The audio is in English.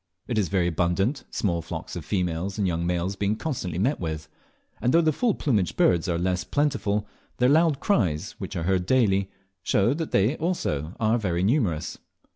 It is very abundant, small flocks of females and young male being constantly met with; and though the full plumaged birds are less plentiful, their loud cries, which are heard daily, show that they also are very numerous.